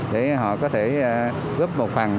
để họ có thể góp một phần